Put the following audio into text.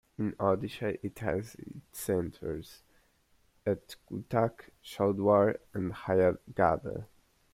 In Odisha it has its centres at Cuttak, Choudwar and Rayagada.